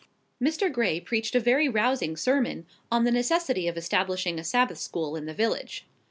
Mr. Gray preached a very rousing sermon, on the necessity of establishing a Sabbath school in the village.